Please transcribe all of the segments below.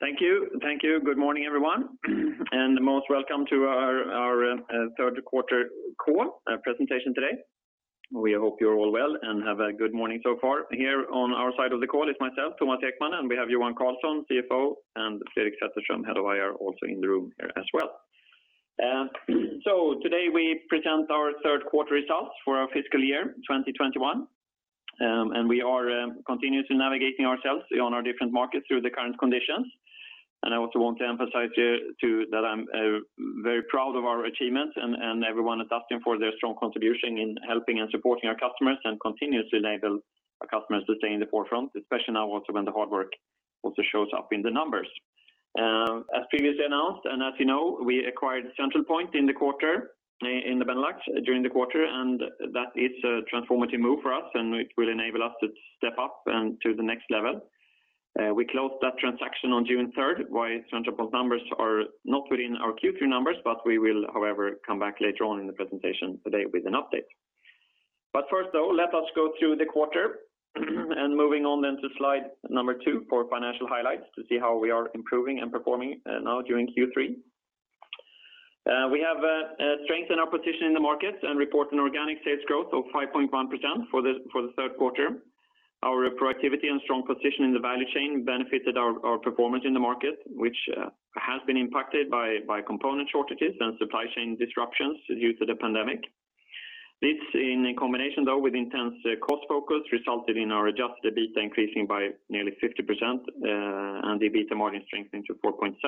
Thank you. Good morning, everyone, and most welcome to our third quarter call presentation today. We hope you're all well and have a good morning so far. Here on our side of the call is myself, Thomas Ekman, and we have Johan Karlsson, CFO, and Fredrik Sätterström, Head of IR, also in the room here as well. Today, we present our third quarter results for our fiscal year 2021. We are continuously navigating ourselves on our different markets through the current conditions. I also want to emphasize too, that I'm very proud of our achievements and everyone at Dustin for their strong contribution in helping and supporting our customers and continuously enable our customers to stay in the forefront, especially now also when the hard work also shows up in the numbers. As previously announced, as you know, we acquired Centralpoint in the quarter, in the Benelux during the quarter, and that is a transformative move for us, and it will enable us to step up to the next level. We closed that transaction on June 3rd, why Centralpoint numbers are not within our Q3 numbers. We will, however, come back later on in the presentation today with an update. First, though, let us go through the quarter and moving on then to slide number two for financial highlights to see how we are improving and performing now during Q3. We have strengthened our position in the markets and report an organic sales growth of 5.1% for the third quarter. Our productivity and strong position in the value chain benefited our performance in the market, which has been impacted by component shortages and supply chain disruptions due to the pandemic. This in combination, though, with intense cost focus, resulted in our adjusted EBITDA increasing by nearly 50%, and the EBITDA margin strengthening to 4.7%.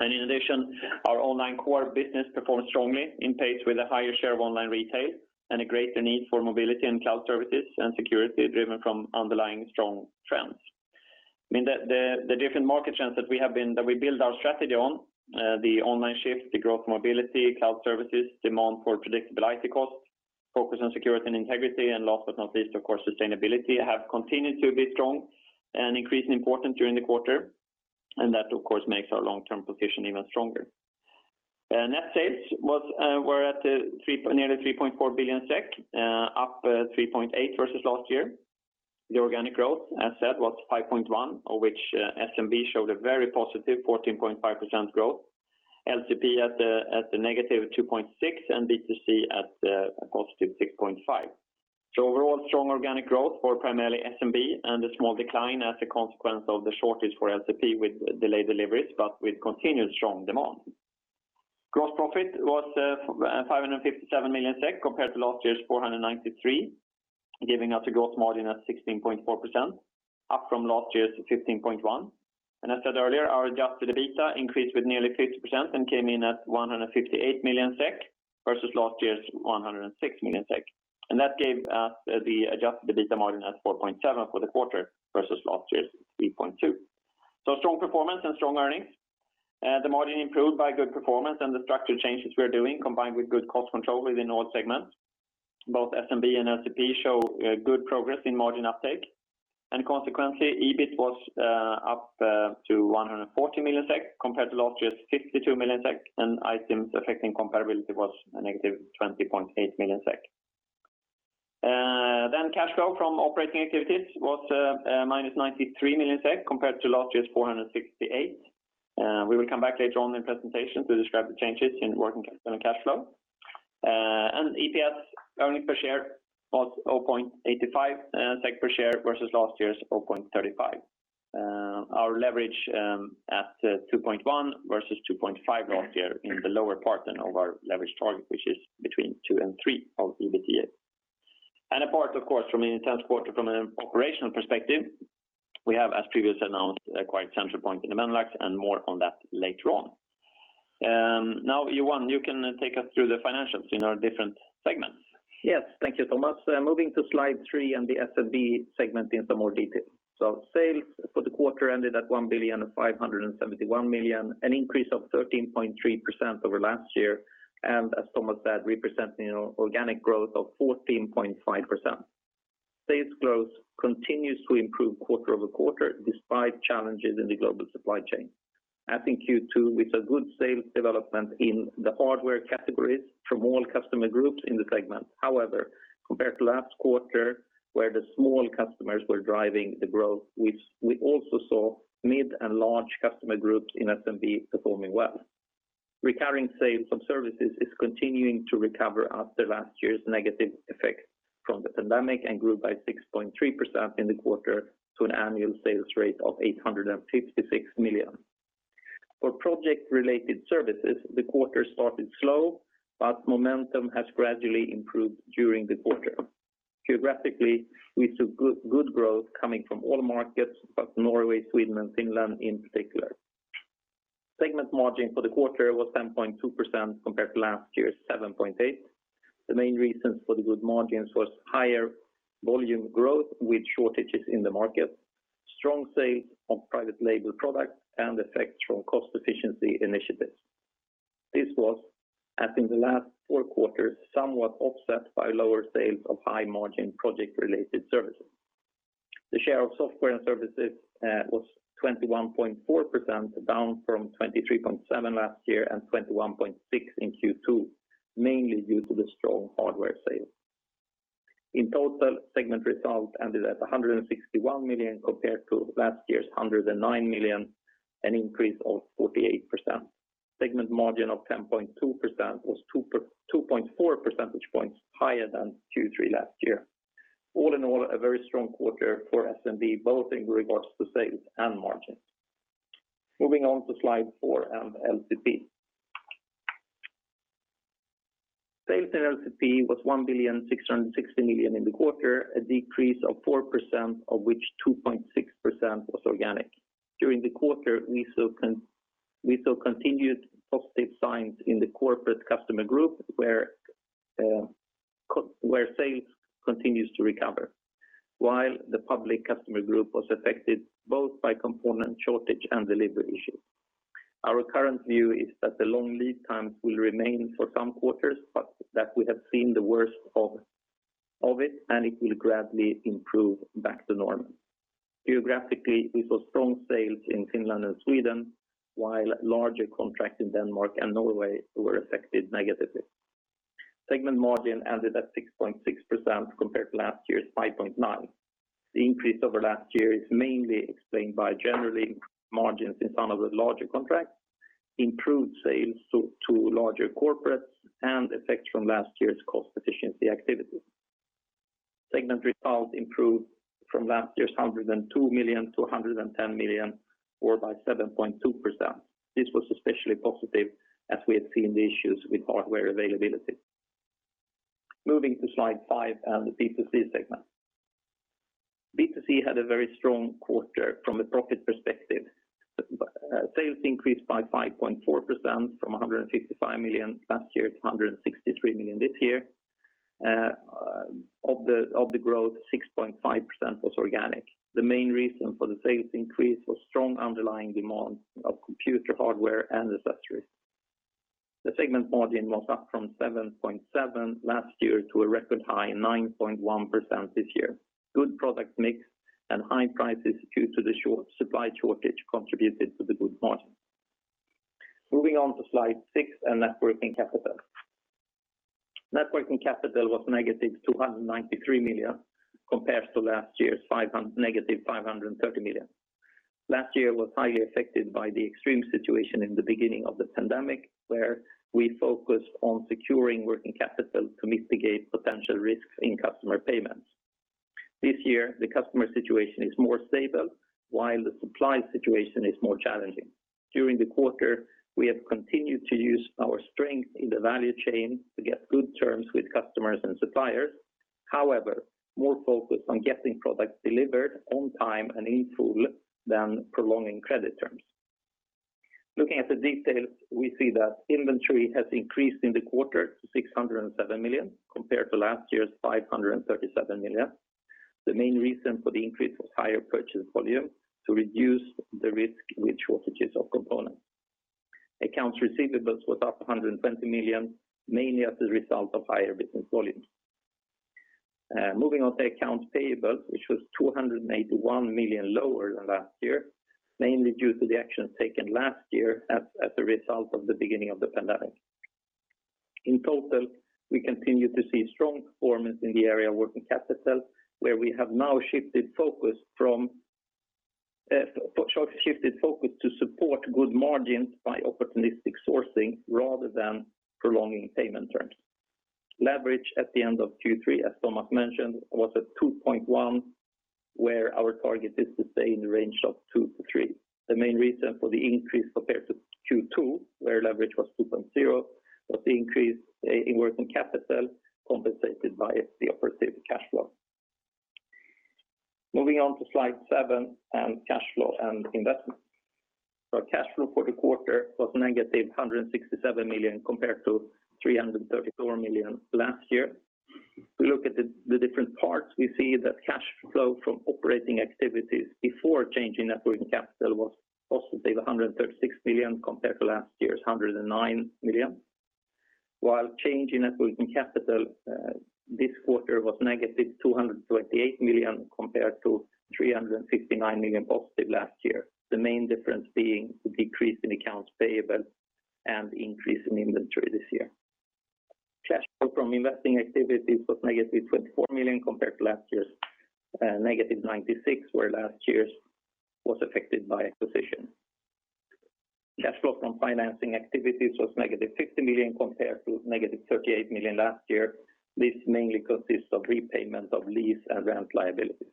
In addition, our online core business performed strongly in pace with a higher share of online retail and a greater need for mobility and cloud services and security driven from underlying strong trends. The different market trends that we build our strategy on, the online shift, the growth mobility, cloud services, demand for predictable IT costs, focus on security and integrity, and last but not least, of course, sustainability, have continued to be strong and increasingly important during the quarter. That, of course, makes our long-term position even stronger. Net sales were at nearly 3.4 billion SEK, up 3.8% versus last year. The organic growth, as said, was 5.1%, of which SMB showed a very positive 14.5% growth. LCP at a negative 2.6% and B2C at a positive 6.5%. Overall, strong organic growth for primarily SMB and a small decline as a consequence of the shortage for LCP with delayed deliveries, but with continued strong demand. Gross profit was 557 million SEK compared to last year's 493, giving us a gross margin at 16.4%, up from last year's 15.1%. As said earlier, our adjusted EBITDA increased with nearly 50% and came in at 158 million SEK versus last year's 106 million SEK. That gave us the adjusted EBITDA margin at 4.7% for the quarter versus last year's 3.2%. Strong performance and strong earnings. The margin improved by good performance and the structural changes we're doing, combined with good cost control within all segments. Both SMB and LCP show good progress in margin uptake. Consequently, EBIT was up to 140 million SEK compared to last year's 52 million SEK, and items affecting comparability was a negative 20.8 million SEK. Cash flow from operating activities was minus 93 million SEK compared to last year's 468 million. We will come back later on in the presentation to describe the changes in working cash flow. EPS, earnings per share, was 0.85 SEK per share versus last year's 0.35. Our leverage at 2.1 versus 2.5 last year in the lower part then of our leverage target, which is between two and three of EBITDA. Apart, of course, from an intense quarter from an operational perspective, we have, as previously announced, acquired Centralpoint in the Benelux, and more on that later on. Now, Johan, you can take us through the financials in our different segments. Yes. Thank you, Thomas. Moving to Slide 3 and the SMB segment in some more detail. Sales for the quarter ended at 1 billion 571 million, an increase of 13.3% over last year, and as Thomas said, representing an organic growth of 14.5%. Sales growth continues to improve quarter-over-quarter despite challenges in the global supply chain. As in Q2, we saw good sales development in the hardware categories from all customer groups in the segment. However, compared to last quarter, where the small customers were driving the growth, we also saw mid and large customer groups in SMB performing well. Recurring sales from services is continuing to recover after last year's negative effect from the pandemic and grew by 6.3% in the quarter to an annual sales rate of 856 million. For project-related services, the quarter started slow, but momentum has gradually improved during the quarter. Geographically, we saw good growth coming from all markets, but Norway, Sweden, and Finland in particular. Segment margin for the quarter was 10.2% compared to last year's 7.8%. The main reasons for the good margins was higher volume growth with shortages in the market, strong sales of private label products, and effects from cost efficiency initiatives. This was, as in the last four quarters, somewhat offset by lower sales of high-margin project-related services. The share of software and services was 21.4%, down from 23.7% last year and 21.6% in Q2, mainly due to the strong hardware sales. In total, segment results ended at 161 million compared to last year's 109 million, an increase of 48%. Segment margin of 10.2% was 2.4 percentage points higher than Q3 last year. All in all, a very strong quarter for SMB, both in regards to sales and margins. Moving on to Slide 4 and LCP. Sales in LCP was 1,660 million in the quarter, a decrease of 4%, of which 2.6% was organic. During the quarter, we saw continued positive signs in the corporate customer group, where sales continues to recover, while the public customer group was affected both by component shortage and delivery issues. Our current view is that the long lead times will remain for some quarters, but that we have seen the worst of it, and it will gradually improve back to normal. Geographically, we saw strong sales in Finland and Sweden, while larger contracts in Denmark and Norway were affected negatively. Segment margin ended at 6.6% compared to last year's 5.9%. The increase over last year is mainly explained by generally margins in some of the larger contracts, improved sales to larger corporates, and effects from last year's cost efficiency activities. Segment results improved from last year's 102 million to 110 million, or by 7.2%. This was especially positive as we had seen the issues with hardware availability. Moving to Slide 5 and the B2C segment. B2C had a very strong quarter from a profit perspective. Sales increased by 5.4% from 155 million last year to 163 million this year. Of the growth, 6.5% was organic. The main reason for the sales increase was strong underlying demand of computer hardware and accessories. The segment margin was up from 7.7% last year to a record high 9.1% this year. Good product mix and high prices due to the supply shortage contributed to the good margin. Moving on to Slide 6 and net working capital. Net working capital was negative 293 million compared to last year's negative 530 million. Last year was highly affected by the extreme situation in the beginning of the pandemic, where we focused on securing working capital to mitigate potential risks in customer payments. This year, the customer situation is more stable, while the supply situation is more challenging. During the quarter, we have continued to use our strength in the value chain to get good terms with customers and suppliers. More focused on getting products delivered on time and in full than prolonging credit terms. Looking at the details, we see that inventory has increased in the quarter to 607 million, compared to last year's 537 million. The main reason for the increase was higher purchase volume to reduce the risk with shortages of components. Accounts receivables was up 120 million, mainly as a result of higher business volumes. Moving on to accounts payable, which was 281 million lower than last year, mainly due to the actions taken last year as a result of the beginning of the pandemic. In total, we continue to see strong performance in the area of working capital, where we have now shifted focus to support good margins by opportunistic sourcing rather than prolonging payment terms. Leverage at the end of Q3, as Thomas mentioned, was at 2.1, where our target is to stay in the range of two to three. The main reason for the increase compared to Q2, where leverage was 2.0, was the increase in working capital compensated by the operative cash flow. Moving on to Slide 7 and cash flow and investment. Our cash flow for the quarter was negative 167 million compared to 334 million last year. If we look at the different parts, we see that cash flow from operating activities before change in net working capital was positive 136 million compared to last year's 109 million. While change in net working capital this quarter was negative 228 million compared to 359 million positive last year. The main difference being the decrease in accounts payable and increase in inventory this year. Cash flow from investing activities was negative 24 million compared to last year's negative 96 million, where last year's was affected by acquisition. Cash flow from financing activities was -50 million compared to -38 million last year. This mainly consists of repayment of lease and rent liabilities.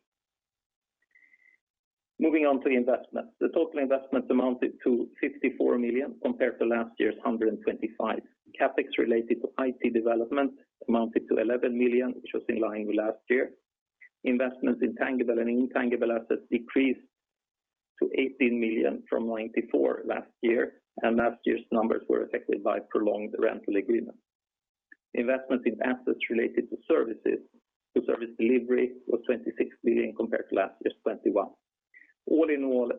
Moving on to investment. The total investment amounted to 54 million compared to last year's 125 million. CapEx related to IT development amounted to 11 million, which was in line with last year. Investments in tangible and intangible assets decreased to 18 million from 94 last year, and last year's numbers were affected by prolonged rental agreement. Investment in assets related to service delivery was 26 million compared to last year's 21. All in all,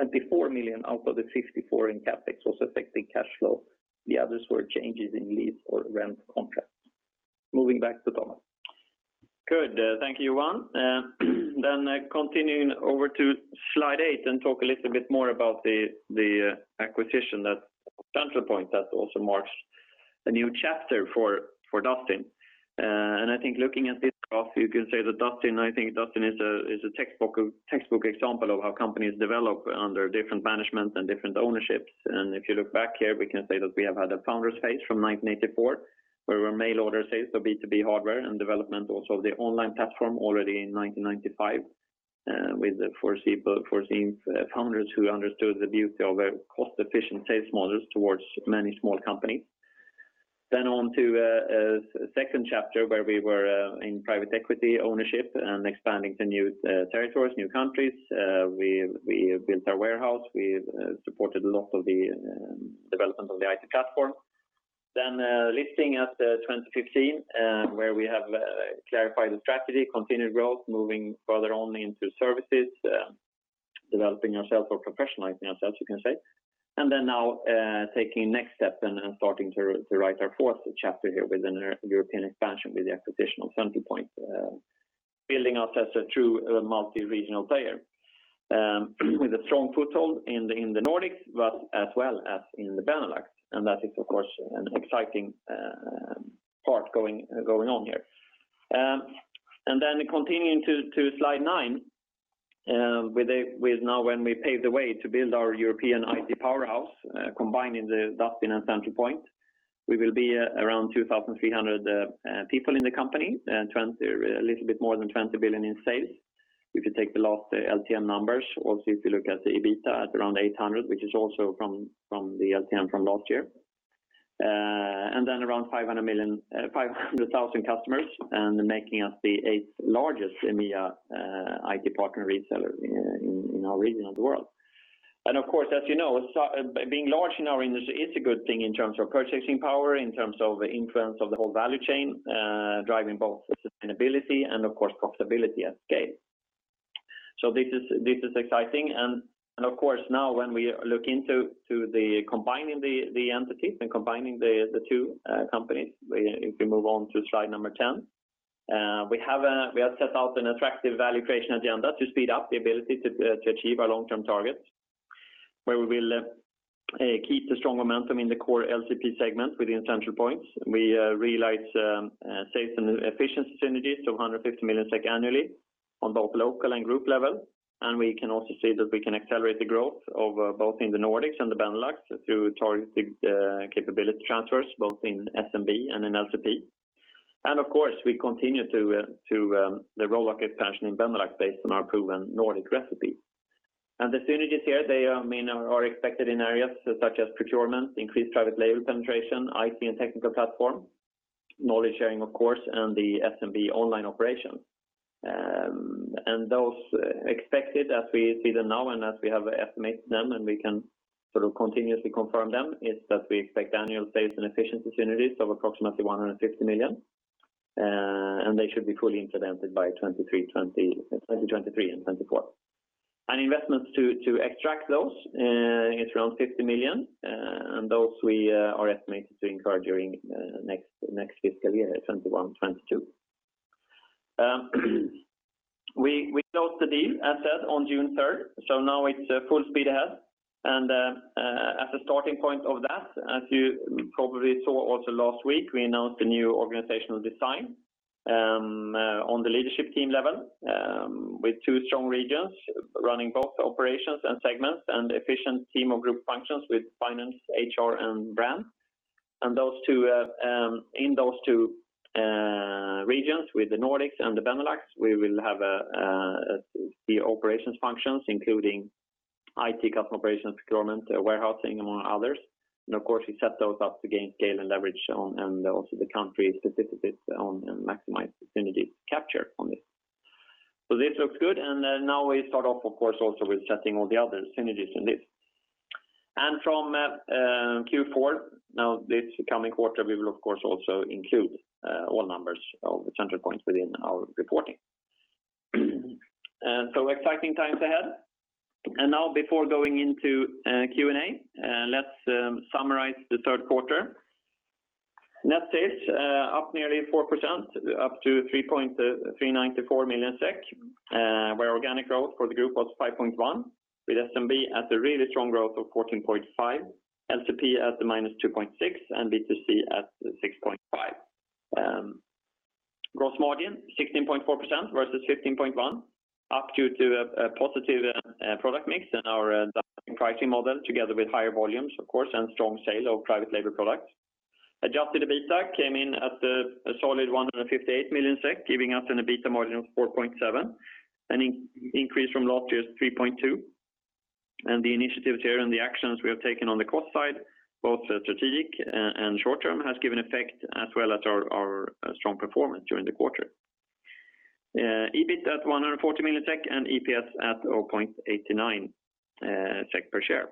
24 million out of the 54 in CapEx was affecting cash flow. The others were changes in lease or rent contracts. Moving back to Thomas. Good. Thank you, Johan. Continuing over to Slide 8 and talk a little bit more about the acquisition that Centralpoint that also marks a new chapter for Dustin. I think looking at this graph, you can say that Dustin is a textbook example of how companies develop under different management and different ownerships. If you look back here, we can say that we have had a founder phase from 1984, where we were mail order sales for B2B hardware and development also of the online platform already in 1995, with the four founders who understood the beauty of a cost-efficient sales model towards many small companies. On to a second chapter where we were in private equity ownership and expanding to new territories, new countries. We built our warehouse. We supported a lot of the development of the IT platform. Listing at 2015, where we have clarified the strategy, continued growth, moving further on into services, developing ourselves or professionalizing ourselves you can say. Now, taking the next step and starting to write our fourth chapter here with an European expansion, with the acquisition of Centralpoint, building us as a true multi-regional player with a strong foothold in the Nordics, but as well as in the Benelux. That is, of course, an exciting part going on here. Continuing to slide 9, now when we pave the way to build our European IT powerhouse, combining Dustin and Centralpoint. We will be around 2,300 people in the company and a little bit more than 20 billion in sales. We can take a lot of LTM numbers. If you look at the EBITDA at around 800, which is also from the LTM from last year. Then around 500,000 customers and making us the eighth largest EMEA IT partner reseller in our region of the world. Of course, as you know, being large in our industry is a good thing in terms of purchasing power, in terms of influence of the whole value chain, driving both sustainability and of course, profitability at scale. This is exciting. Of course, now when we look into combining the entities and combining the two companies, if we move on to slide number 10. We have set out an attractive valuation agenda to speed up the ability to achieve our long-term targets, where we will keep the strong momentum in the core LCP segment within Centralpoint. We realize sales and efficiency synergies of 150 million SEK annually on both local and group level. We can also say that we can accelerate the growth both in the Nordics and the Benelux through targeted capability transfers, both in SMB and in LCP. Of course, we continue to the rollout expansion in Benelux based on our proven Nordic recipe. The synergies here, they are expected in areas such as procurement, increased private label penetration, IT and technical platform, knowledge sharing, of course, and the SMB online operations. Those expected as we see them now and as we have estimated them and we can sort of continuously confirm them, is that we expect annual sales and efficiency synergies of approximately 150 million. They should be fully implemented by 2023 and 2024. Investments to extract those is around 50 million. Those we are estimated to incur during next fiscal year, 2021, 2022. We closed the deal, as said, on June 3rd, now it's full speed ahead. As a starting point of that, as you probably saw also last week, we announced the new organizational design on the leadership team level, with two strong regions running both operations and segments and efficient team of group functions with finance, HR, and brand. In those two regions with the Nordics and the Benelux, we will have the operations functions, including IT operations, procurement, warehousing, among others. Of course, we set those up to gain scale and leverage on and also the country specific and maximize synergies captured on this. This looked good. Now we start off, of course, also with setting all the other synergies in this. From that Q4, now this coming quarter, we will of course also include all numbers of Centralpoint within our reporting. Exciting times ahead. Now before going into Q&A, let's summarize the third quarter. Net sales up nearly 4%, up to 394 million SEK, where organic growth for the group was 5.1%, with SMB at a really strong growth of 14.5%, LCP at the -2.6%, and B2C at 6.5%. Gross margin 16.4% versus 15.1%, up due to a positive product mix and our pricing model together with higher volumes, of course, and strong sale of private label products. Adjusted EBITDA came in at a solid 158 million SEK, giving us an EBITDA margin of 4.7%, an increase from last year's 3.2%. The initiatives here and the actions we have taken on the cost side, both strategic and short term, has given effect as well as our strong performance during the quarter. EBIT at 140 million and EPS at 0.89 per share.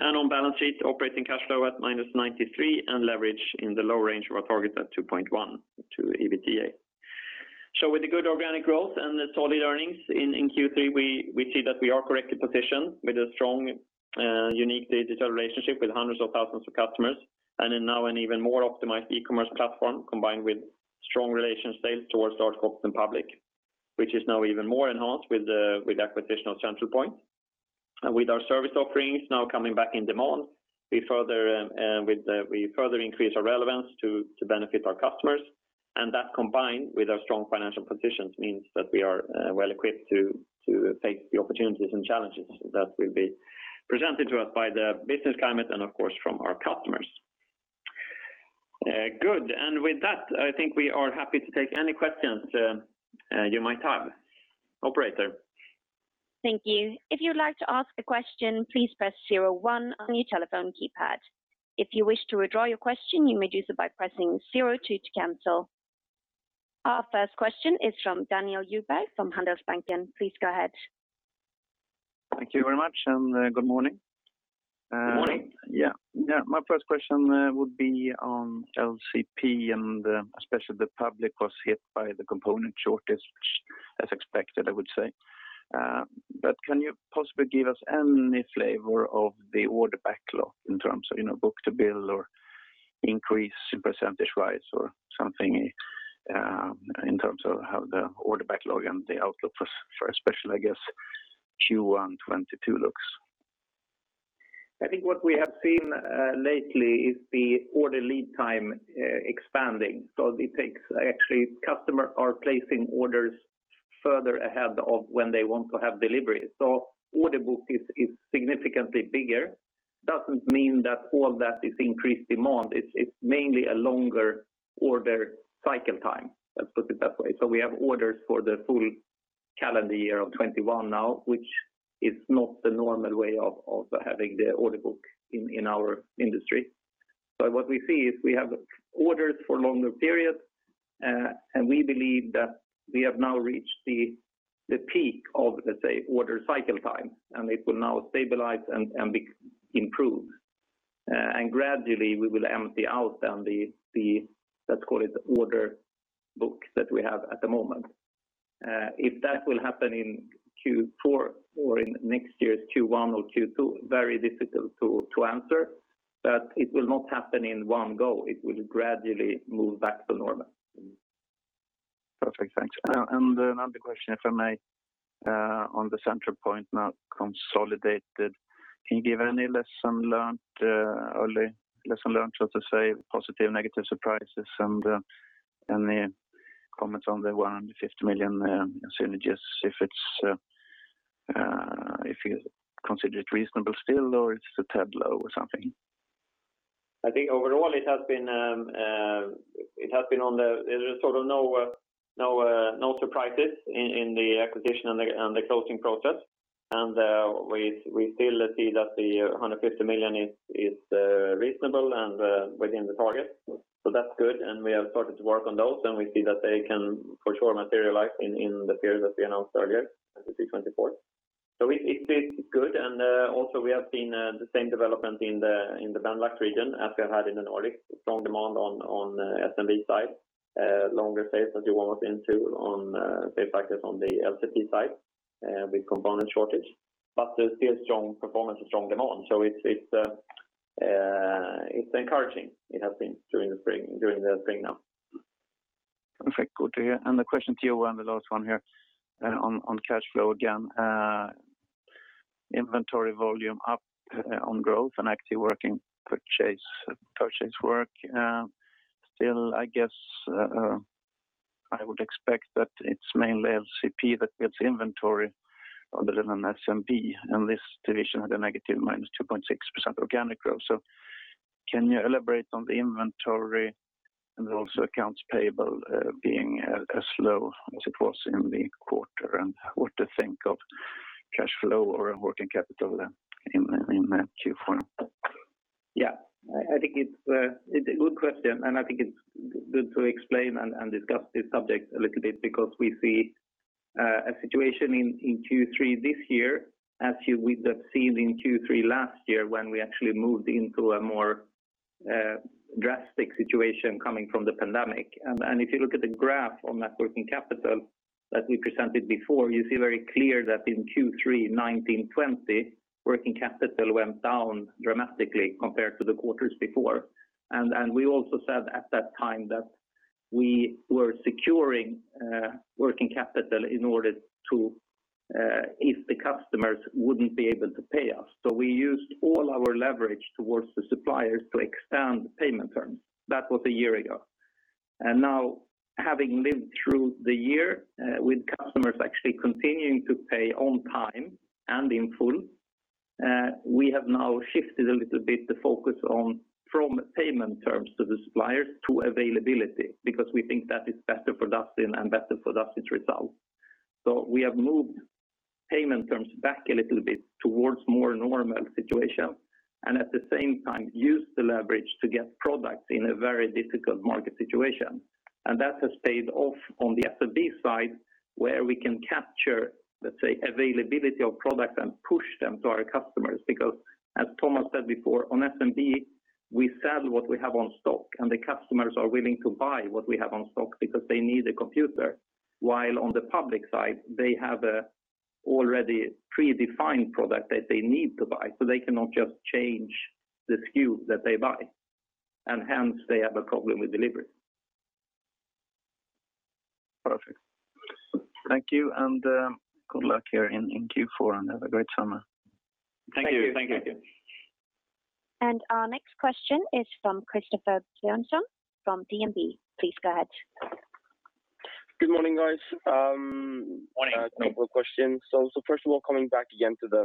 On balance sheet, operating cash flow at -93 and leverage in the low range of our target at 2.1 to EBITDA. With the good organic growth and the solid earnings in Q3, we see that we are correctly positioned with a strong, unique digital relationship with hundreds of thousands of customers and now an even more optimized e-commerce platform combined with strong relationships towards our folks in Public. Which is now even more enhanced with the acquisition of Centralpoint. With our service offerings now coming back in demand, we further increase our relevance to benefit our customers. That, combined with our strong financial positions, means that we are well-equipped to take the opportunities and challenges that will be presented to us by the business climate and, of course, from our customers. Good. With that, I think we are happy to take any questions you might have. Operator? Thank you. Our first question is from Daniel Djurberg from Handelsbanken. Please go ahead. Thank you very much, and good morning. Good morning. Yeah. My first question would be on LCP and especially the public was hit by the component shortage, as expected, I would say. Can you possibly give us any flavor of the order backlog in terms of book to bill or increase percentage-wise or something in terms of how the order backlog and the outlook for, especially, I guess, Q1 2022 looks? I think what we have seen lately is the order lead time expanding. Actually, customers are placing orders further ahead of when they want to have deliveries. Order book is significantly bigger. Doesn't mean that all that is increased demand. It's mainly a longer order cycle time. Let's put it that way. We have orders for the full calendar year of 2021 now, which is not the normal way of having the order book in our industry. What we see is we have orders for longer periods, and we believe that we have now reached the peak of the order cycle time, and it will now stabilize and improve. Gradually we will empty out the order book that we have at the moment. If that will happen in Q4 or in next year's Q1 or Q2, very difficult to answer, but it will not happen in one go. It will gradually move back to normal. Perfect. Thanks. Another question, if I may, on the Centralpoint now consolidated. Can you give any lesson learned, Early Lesson learned, so to say, positive, negative surprises, and any comments on the 150 million synergies, if you consider it reasonable still, or it's a tad low or something? I think overall it has been on the-- there's sort of no surprises in the acquisition and the closing process. We still see that the 150 million is reasonable and within the target. That's good, and we have started to work on those, and we see that they can for sure materialize in the period that we announced earlier, at the Q3 report. It's good, and also we have seen the same development in the Benelux region as we had in the Nordics. Strong demand on the SMB side, longer sales that you all are into on the LCP side with component shortage. There's still strong performance and strong demand. It's encouraging, it has been during the spring now. Perfect. Good to hear. The question to you, the last one here on cash flow again. Inventory volume up on growth and actually working purchase work. Still, I guess, I would expect that it's mainly LCP that builds inventory a little on SMB in this division with a negative minus 2.6% organic growth. Can you elaborate on the inventory and also accounts payable being as low as it was in the quarter? What to think of cash flow or working capital in Q4 now? Yeah, I think it's a good question, and I think it's good to explain and discuss this subject a little bit because we see a situation in Q3 this year, as you would have seen in Q3 last year, when we actually moved into a more drastic situation coming from the pandemic. If you look at the graph on net working capital that we presented before, you see very clear that in Q3 2019/2020, working capital went down dramatically compared to the quarters before. We also said at that time that we were securing working capital if the customers wouldn't be able to pay us. We used all our leverage towards the suppliers to extend the payment terms. That was one year ago. Now, having lived through the year with customers actually continuing to pay on time and in full, we have now shifted a little bit the focus from payment terms to the suppliers to availability, because we think that is better productive and better productive results. We have moved payment terms back a little bit towards more normal situation, and at the same time used the leverage to get product in a very difficult market situation. That has paid off on the SMB side, where we can capture, let's say, availability of product and push them to our customers. As Thomas said before, on SMB, we sell what we have on stock, and the customers are willing to buy what we have on stock because they need a computer, while on the public side, they have a already predefined product that they need to buy. They cannot just change the SKU that they buy. They have a problem with delivery. Perfect. Thank you and good luck here in Q4 and have a great summer. Thank you. Our next question is from Christoffer Wang Bjørnsen from DNB. Please go ahead. Good morning, guys. A couple of questions. First of all, coming back again to the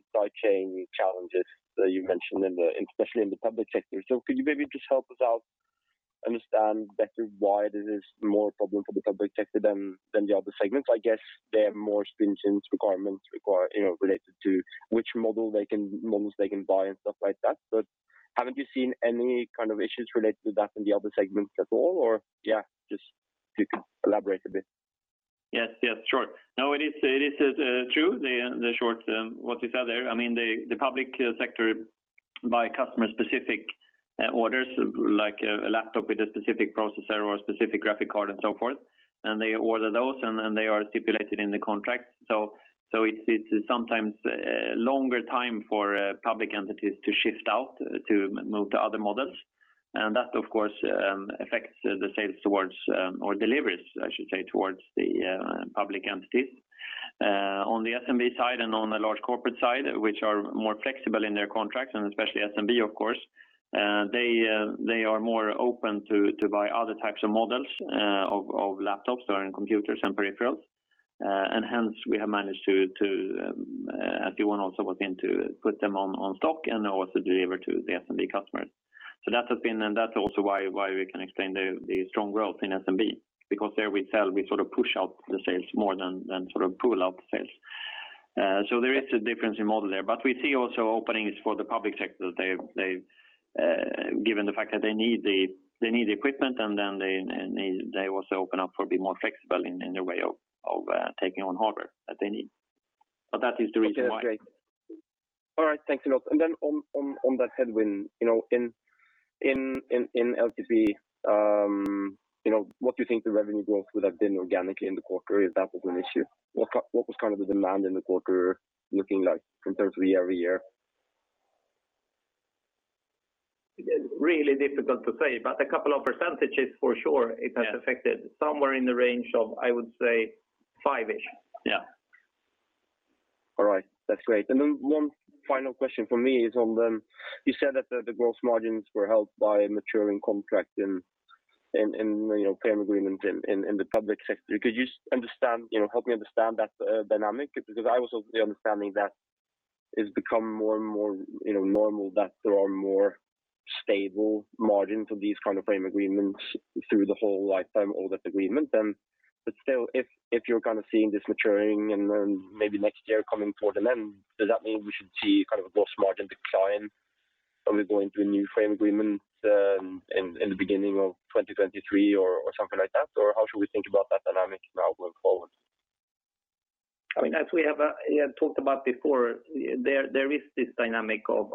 supply chain challenges that you mentioned especially in the public sector. Could you maybe just help us out understand better why this is more a problem for the public sector than the other segments? I guess there are more stringent requirements related to which models they can buy and stuff like that. Have you seen any kind of issues related to that in the other segments at all, or if you can elaborate a bit. Yes, sure. No, it is true, the shorts, what we said there. The public sector buy customer specific orders, like a laptop with a specific processor or specific graphic card and so forth, and they order those, and then they are stipulated in the contract. It's sometimes a longer time for public entities to shift out to move to other models. That, of course, affects the sales towards, or deliveries I should say, towards the public entities. On the SMB side and on the large corporate side, which are more flexible in their contracts and especially SMB, of course, they are more open to buy other types of models of laptops and computers and peripherals. Hence we have managed to, as [Johan also mentioned], to put them on stock and also deliver to the SMB customers. That's also why we can explain the strong growth in SMB, because there we sort of push out the sales more than sort of pull out the sales. There is a difference in model there, but we see also openings for the public sector there, given the fact that they need the equipment and then they also open up to be more flexible in their way of taking on hardware that they need. That is the reason why. All right. Thanks a lot. On that headwind, in LCP what do you think the revenue growth would have been organically in the quarter if that wasn't an issue? What was the demand in the quarter looking like compared to year-over-year? Really difficult to say, but a couple of percentages for sure it has affected somewhere in the range of, I would say five-ish. Yeah. All right. That's great. One final question from me is on the, you said that the gross margins were helped by maturing contracts and frame agreements in the public sector. Could you help me understand that dynamic? I also have the understanding that it's become more and more normal that there are more stable margins for these kind of frame agreements through the whole lifetime of that agreement. If you're seeing this maturing and then maybe next year coming forward, does that mean we should see kind of gross margins decline when we go into a new frame agreement in the beginning of 2023 or something like that? How should we think about that dynamic now going forward? As we have talked about before, there is this dynamic of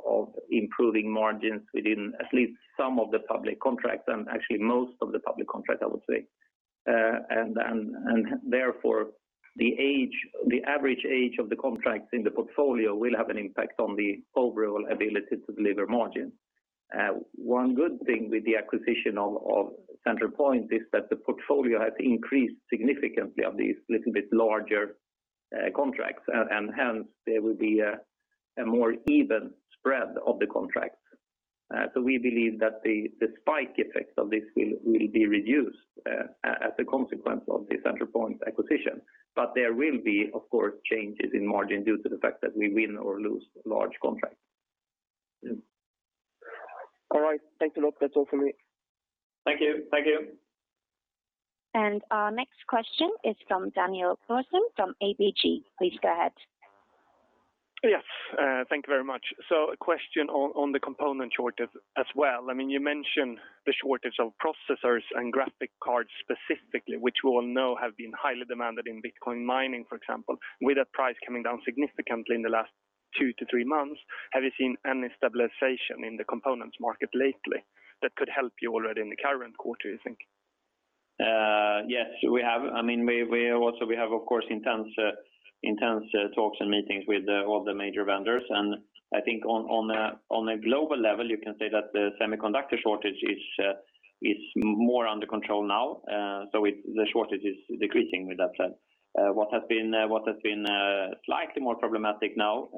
improving margins within at least some of the public contracts and actually most of the public contracts, I would say. Therefore the average age of the contracts in the portfolio will have an impact on the overall ability to deliver margins. One good thing with the acquisition of Centralpoint is that the portfolio has increased significantly of these little bit larger contracts, hence there will be a more even spread of the contracts. We believe that the spike effect of this will be reduced as a consequence of the Centralpoint acquisition. There will be, of course, changes in margin due to the fact that we win or lose large contracts. All right. Thanks a lot. That's all for me. Thank you. Our next question is from Daniel Thorsson from ABG. Please go ahead. Yes. Thank you very much. A question on the component shortage as well. You mentioned the shortage of processors and graphic cards specifically, which we all know have been highly demanded in Bitcoin mining, for example, with the price coming down significantly in the last 2 to 3 months. Have you seen any stabilization in the components market lately that could help you already in the current quarter, you think? Yes, we have. We also have, of course, intense talks and meetings with all the major vendors. I think on a global level, you can say that the semiconductor shortage is more under control now. The shortage is decreasing with that trend. What has been slightly more problematic now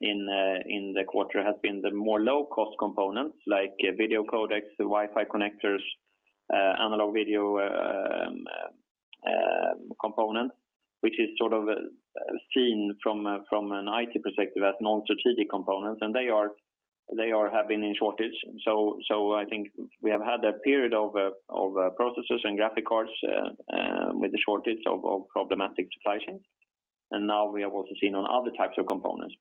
in the quarter has been the more low-cost components like video codecs, Wi-Fi connectors, analog video components, which is sort of seen from an IT perspective as non-strategic components, and they are having a shortage. I think we have had a period of processors and graphic cards with a shortage of problematic supply chains. Now we have also seen on other types of components.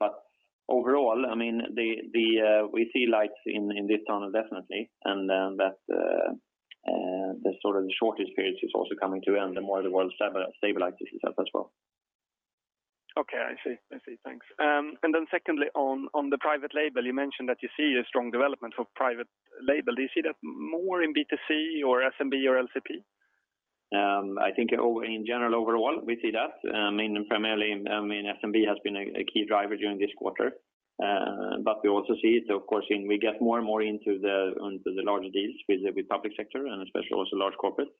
Overall, we see light in this tunnel definitely, and then that the sort of shortage period is also coming to an end, the more the world stabilizes itself as well. Okay, I see. Thanks. Secondly, on the private label, you mentioned that you see a strong development of private label. Do you see that more in B2C or SMB or LCP? I think in general, overall, we see that. Primarily, SMB has been a key driver during this quarter. we also see it, of course, we get more and more into the larger deals with the public sector and especially also large corporates.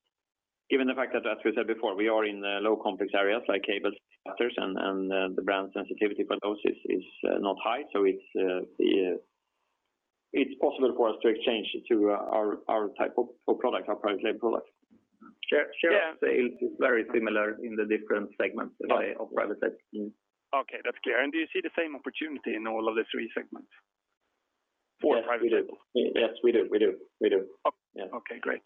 Given the fact that, as we said before, we are in low complex areas like cables and adapters and the brand sensitivity for those is not high. it's possible for us to exchange to our type of product, our private label product. Sure. Yeah. It is very similar in the different segments of relative team. Okay. That's clear. Do you see the same opportunity in all of the three segments? Four. Yes, we do. Okay, great.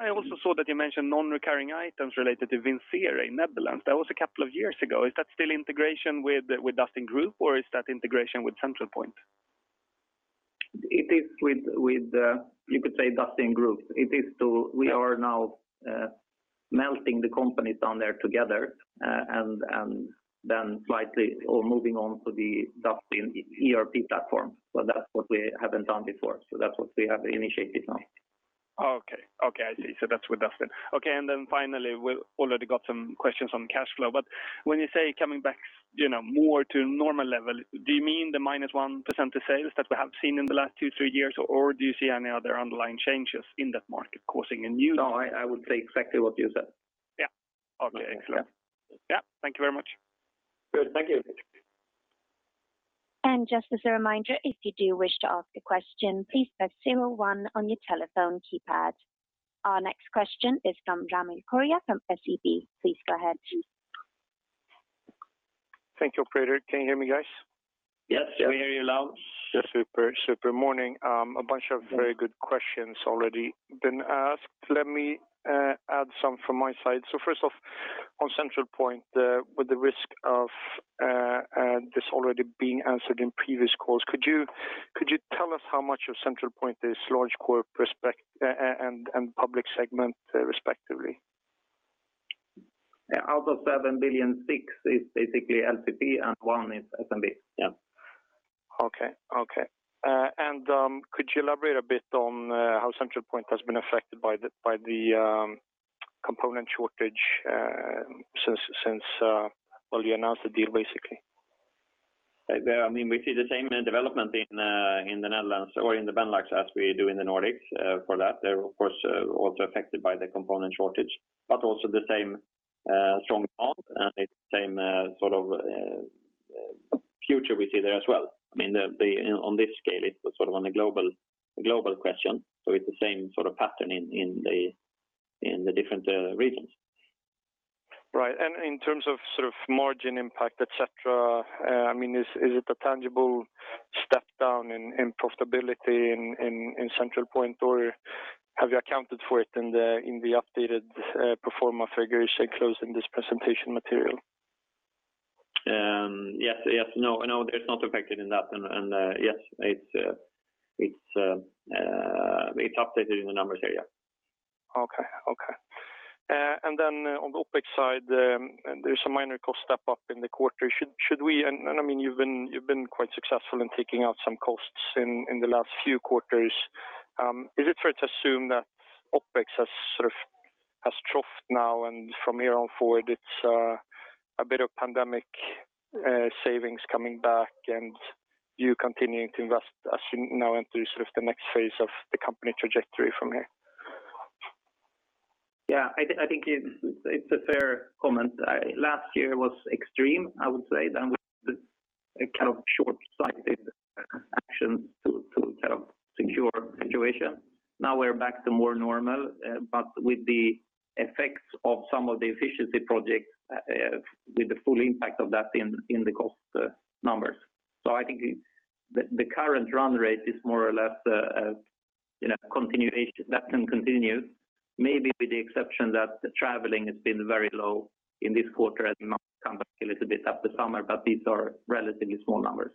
I also saw that you mentioned non-recurring items related to Vincere in Netherlands. That was a couple of years ago. Is that still integration with Dustin Group or is that integration with Centralpoint? It is with, you could say, Dustin Group. We are now melting the companies down there together and then slightly moving on to the Dustin ERP platform. That's what we haven't done before. That's what we have initiated now. Okay. I see. That's with Dustin. Okay. Finally, we've already got some questions on cash flow, but when you say coming back more to normal level, do you mean the minus 1% sales that we have seen in the last two, three years? Or do you see any other underlying changes in that market causing a new low? No, I would say exactly what you said. Yeah. Okay. Excellent. Thank you very much. Good. Thank you. Just as a reminder, if you do wish to ask a question, please press 01 on your telephone keypad. Our next question is from Daniel Coria from SEB. Please go ahead. Thank you, operator. Can you hear me, guys? Yes. We hear you loud. Super. Morning. A bunch of very good questions already been asked. Let me add some from my side. First off, on Centralpoint, with the risk of this already being answered in previous calls, could you tell us how much of Centralpoint is Large Corporate and Public segment respectively? Out of 7 billion, 6 billion is basically LCP and 1 billion is SMB. Yeah. Okay. Could you elaborate a bit on how Centralpoint has been affected by the component shortage since you announced the deal basically? We see the same development in the Netherlands or in the Benelux as we do in the Nordics for that. They're, of course, also affected by the component shortage, but also the same strong demand and the same sort of future we see there as well. On this scale, it was sort of on a global question. It's the same sort of pattern in the different regions. Right. In terms of margin impact, et cetera, is it a tangible step down in profitability in Centralpoint, or have you accounted for it in the updated pro forma figures you're closing this presentation material? No, there's no effect in that. yes, it's updated in the numbers there, yeah. Okay. On the OpEx side, there's a minor cost step up in the quarter. You've been quite successful in taking out some costs in the last few quarters. Is it fair to assume that OpEx has sort of capped now and from here on forward it's a bit of pandemic savings coming back and you continuing to invest as you now enter sort of the next phase of the company trajectory from here? Yeah, I think it's a fair comment. Last year was extreme, I would say, down to the kind of short-sighted action to kind of secure the situation. Now we're back to more normal, but with the effects of some of the efficiency projects with the full impact of that in the cost numbers. I think the current run rate is more or less a continuation. That can continue, maybe with the exception that the traveling has been very low in this quarter and might come back a little bit at the summer, but these are relatively small numbers.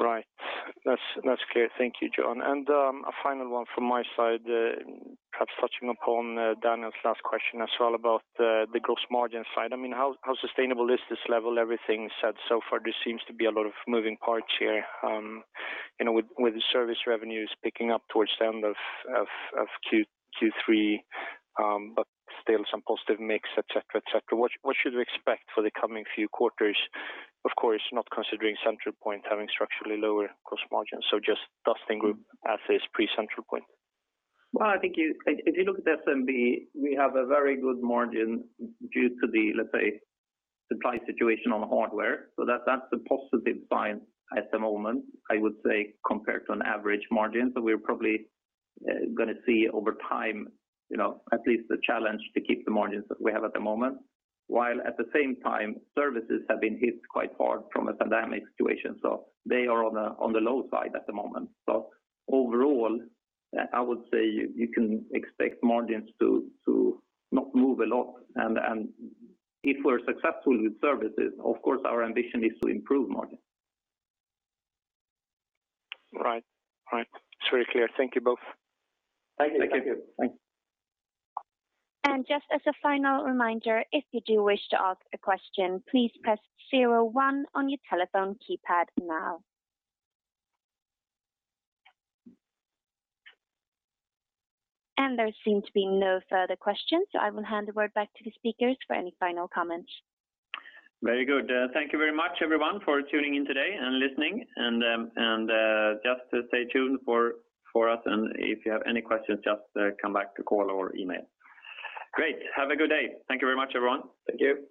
Right. That's clear. Thank you, Johan. A final one from my side, perhaps touching upon Daniel's last question as well about the gross margin side. How sustainable is this level? Everything said so far, there seems to be a lot of moving parts here. With the service revenues picking up towards the end of Q3, but still some positive mix, et cetera. What should we expect for the coming few quarters? Of course, not considering Centralpoint having structurally lower gross margins. Just Dustin Group as is pre Centralpoint. Well, I think if you look at SMB, we have a very good margin due to the supply situation on hardware. That's a positive sign at the moment, I would say, compared to an average margin. We're probably going to see over time at least a challenge to keep the margins that we have at the moment, while at the same time services have been hit quite hard from a pandemic situation. They are on the low side at the moment. Overall, I would say you can expect margins to not move a lot. If we're successful with services, of course, our ambition is to improve margins. Right. Very clear. Thank you both. Thank you. Thank you. Just as a final reminder, if you do wish to ask a question, please press 01 on your telephone keypad now. There seems to be no further questions, so I will hand it back to the speakers for any final comments. Very good. Thank you very much, everyone, for tuning in today and listening. Just stay tuned for us. If you have any questions, just come back to call or email. Great. Have a good day. Thank you very much, everyone. Thank you.